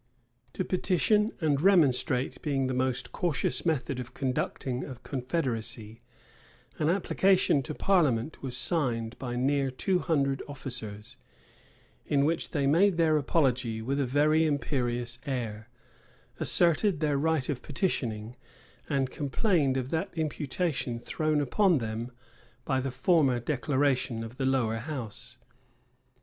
[] To petition and remonstrate being the most cautious method of conducting a confederacy, an application to parliament was signed by near two hundred officers, in which they made their apology with a very imperious air, asserted their right of petitioning, and complained of that imputation thrown upon them by the former declaration of the lower house.